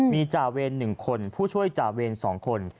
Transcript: มีจ่าเวร๑คนผู้ช่วยจ่าเวร๒คน